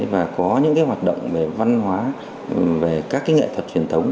và có những cái hoạt động về văn hóa về các cái nghệ thuật truyền thống